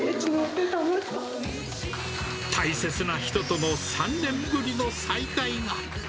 大切な人との３年ぶりの再会が。